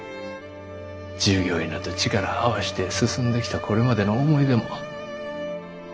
従業員らと力合わして進んできたこれまでの思い出も。